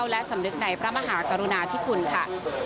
และสำนึกในพระมหากรุณาธิคุณค่ะ